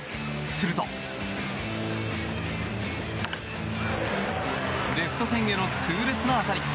すると、レフト線への痛烈な当たり。